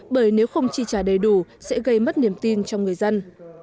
bởi nếu không chi trả đầy đủ sẽ gây mất niềm tin cho người dân